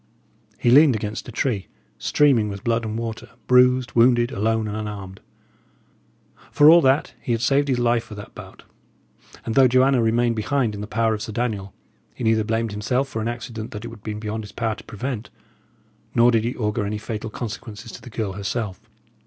He leaned against a tree, streaming with blood and water, bruised, wounded, alone, and unarmed. For all that, he had saved his life for that bout; and though Joanna remained behind in the power of Sir Daniel, he neither blamed himself for an accident that it had been beyond his power to prevent, nor did he augur any fatal consequences to the girl herself.